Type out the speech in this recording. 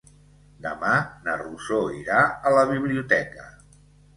Demà na Rosó irà a la biblioteca.